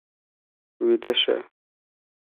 ويده شه.